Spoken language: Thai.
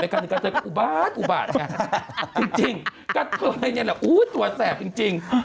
แบบนี้กระเตืออุบาดอุบาดอย่างนั้นจริงกระเตือในนี้แหละอู๋ตัวแสบจริง